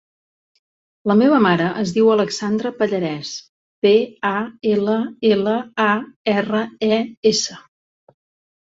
La meva mare es diu Alexandra Pallares: pe, a, ela, ela, a, erra, e, essa.